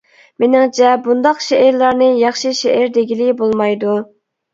مېنىڭچە بۇنداق شېئىرلارنى ياخشى شېئىر دېگىلى بولمايدۇ.